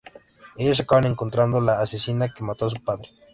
Ellas acaban encontrando la asesina que mató a su padre.